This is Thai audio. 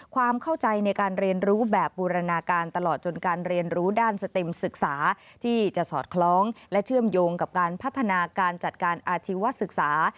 ความเข้าใจในการเรียนรู้แบบบูรณาการตลอดจนการเรียนรู้ด้านสติมศึกษาที่จะสอดคล้องและเชื่อมโยงกับการพัฒนาการจัดการอาชีวศึกษา